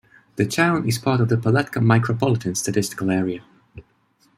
The town is part of the Palatka Micropolitan Statistical Area.